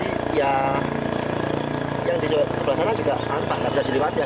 jadi ya yang di sebelah selatan juga pak nggak bisa dijawab ya